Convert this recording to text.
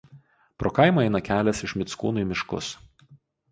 Pro kaimą eina kelias iš Mickūnų į miškus.